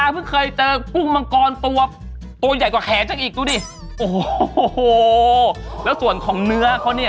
เพิ่งเคยเจอกุ้งมังกรตัวตัวใหญ่กว่าแขนสักอีกดูดิโอ้โหแล้วส่วนของเนื้อเขาเนี่ย